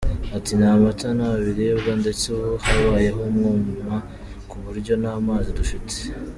Ati "Nta mata, nta biribwa, ndetse ubu habayeho umwuma ku buryo nta mazi dufite.